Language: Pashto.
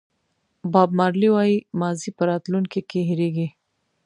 باب مارلې وایي ماضي په راتلونکي کې هېرېږي.